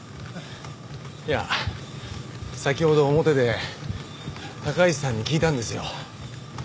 いや先ほど表で高石さんに聞いたんですよ。